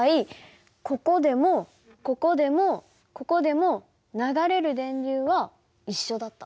ここでもここでもここでも流れる電流は一緒だった。